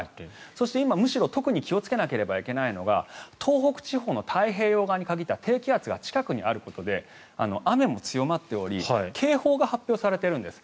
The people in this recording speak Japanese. そして今、むしろ特に気をつけなければいけないのが東北地方の太平洋側に限っては低気圧が近くにあることで雨も強まっており警報が発表されているんです。